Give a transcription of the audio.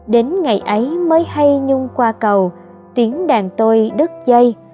đến ngày ấy mới hay nhung qua cầu tiếng đàn tôi đứt dây